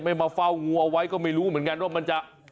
มาเฝ้างูเอาไว้ก็ไม่รู้เหมือนกันว่ามันจะ